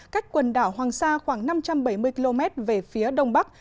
cách quần đảo hoàng sa khoảng năm trăm bảy mươi km về phía đông bắc